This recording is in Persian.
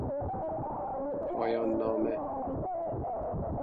پایان نامه